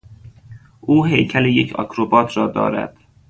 او هیکل یک آکروبات را دارد.